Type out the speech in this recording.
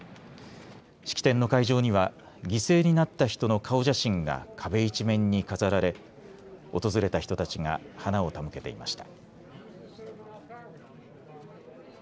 式典の会場には犠牲になった人の顔写真が壁一面に飾られ訪れた人たちが花を手向けていました。